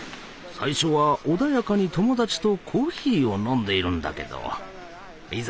最初は穏やかに友達とコーヒーを飲んでいるんだけどいざ